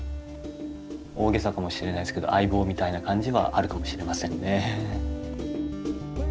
大げさかもしれないですけど相棒みたいな感じはあるかもしれませんね。